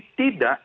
kami tidak kontra